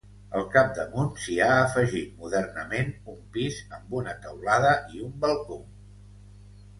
Al capdamunt s'hi ha afegit modernament un pis amb una teulada i un balcó.